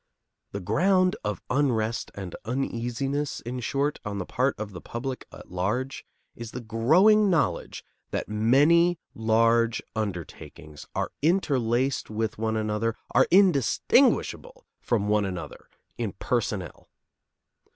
The ground of unrest and uneasiness, in short, on the part of the public at large, is the growing knowledge that many large undertakings are interlaced with one another, are indistinguishable from one another in personnel.